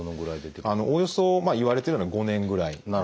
おおよそいわれてるのは５年ぐらい。